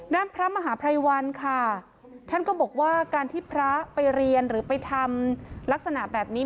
ด้านพระมหาภัยวันค่ะท่านก็บอกว่าการที่พระไปเรียนหรือไปทำลักษณะแบบนี้